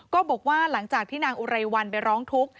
ก็บอกว่าหลังจากที่นางอุไรวันไปร้องทุกข์